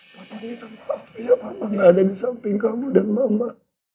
papa minta maaf ya papa gak ada di samping kamu dan mama